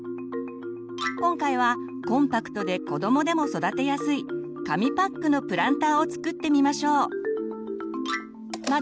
今回はコンパクトで子どもでも育てやすい紙パックのプランターを作ってみましょう。